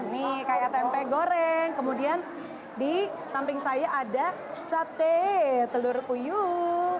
nih kayak tempe goreng kemudian di samping saya ada sate telur puyuh